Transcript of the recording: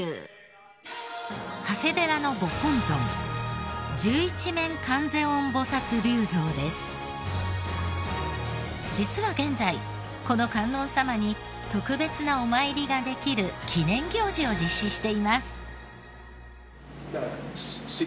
長谷寺の御本尊実は現在この観音様に特別なお参りができる記念行事を実施しています。